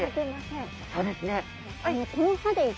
そうですね。